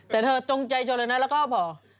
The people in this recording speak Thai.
แต่เธอจงใจชนเลยนะแล้วก็บอก